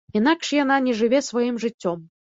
Інакш яна не жыве сваім жыццём.